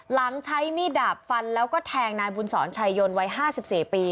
หลังใช้มีดดับฟันแล้วก็แทงนายบุญสรณ์ชัยยนธรรมไว้๕๔ปี